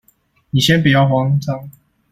你先不要慌張